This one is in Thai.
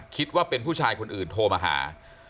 คิดว่าเป็นผู้ชายคนอื่นโทรมาหา